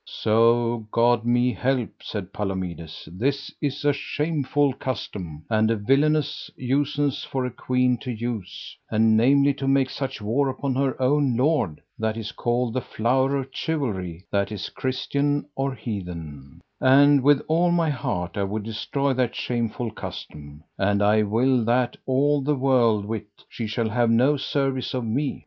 So God me help, said Palomides, this is a shameful custom, and a villainous usance for a queen to use, and namely to make such war upon her own lord, that is called the Flower of Chivalry that is christian or heathen; and with all my heart I would destroy that shameful custom. And I will that all the world wit she shall have no service of me.